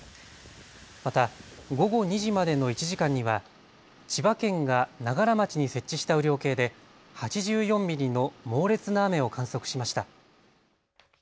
また午後２時までの１時間には千葉県が長柄町に設置した雨量計で８４ミリの猛烈な雨を観測しました。